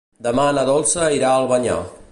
Demà na Dolça irà a Albanyà.